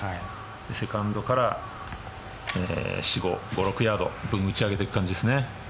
セカンドから５６ヤード打ち上げていく感じですね。